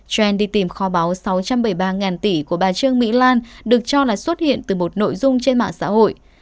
tran đi tìm kho báo sáu trăm bảy mươi ba tỷ của bà trương mỹ lan được cho là xuất hiện từ một nội dung trên mạng xã hội